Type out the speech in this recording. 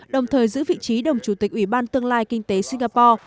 đồng thời giữ vị trí đồng chủ tịch ủy ban tương lai kinh tế singapore